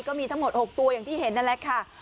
ก็มีทั้งหมด๖ตัวอย่างที่เห็นนั่นแหละค่ะ